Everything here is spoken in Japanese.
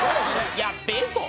やっべぇぞ！